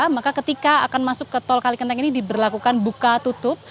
maka ketika akan masuk ke tol kalikenteng ini diberlakukan buka tutup